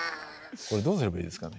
これどうすればいいですかね。